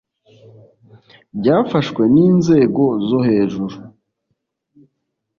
byafashwe n inzego zo hejuru